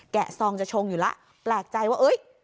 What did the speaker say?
ซองจะชงอยู่แล้วแปลกใจว่าเอ้ย